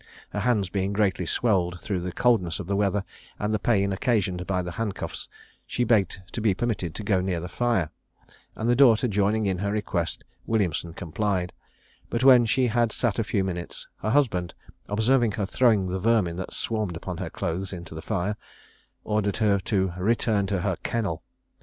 Her hands being greatly swelled through the coldness of the weather and the pain occasioned by the handcuffs, she begged to be permitted to go near the fire; and the daughter joining in her request, Williamson complied; but when she had sat a few minutes, her husband, observing her throwing the vermin that swarmed upon her clothes into the fire, ordered her to "return to her kennel."